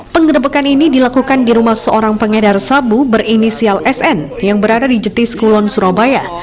penggerebekan ini dilakukan di rumah seorang pengedar sabu berinisial sn yang berada di jetis kulon surabaya